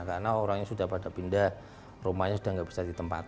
karena orangnya sudah pada pindah rumahnya sudah nggak bisa ditempati